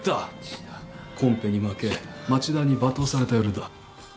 コンペに負け町田に罵倒された夜だ